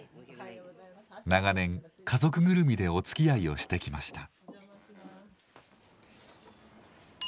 長年家族ぐるみでおつきあいをしてきました。